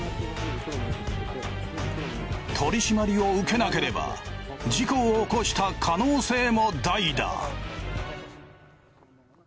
取り締まりを受けなければ事故を起こした可能性も大だ。